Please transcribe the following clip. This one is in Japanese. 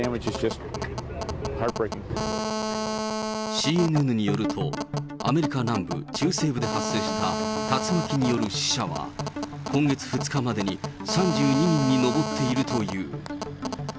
ＣＮＮによると、アメリカ南部、中西部で発生した竜巻による死者は、今月２日までに３２人に上っているという。